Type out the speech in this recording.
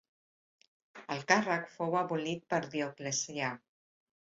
El càrrec fou abolit per Dioclecià.